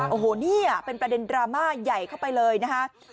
โอ้โหนี่เป็นประเด็นดราม่าใหญ่เข้าไปเลยนะคะ